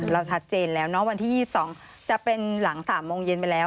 เราชัดเจนแล้ววันที่๒๒จะเป็นหลัง๓โมงเย็นไปแล้ว